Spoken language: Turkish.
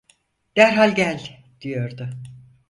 "Derhal gel!" diyordu.